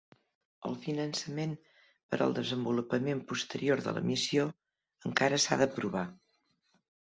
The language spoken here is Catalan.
El finançament per al desenvolupament posterior de la missió encara s'ha d'aprovar.